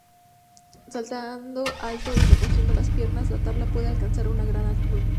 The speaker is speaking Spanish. Saltando alto y recogiendo las piernas, la tabla puede alcanzar una gran altura.